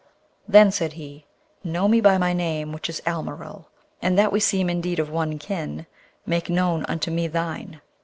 Then said he, 'Know me by my name, which is Almeryl; and that we seem indeed of one kin, make known unto me thine.'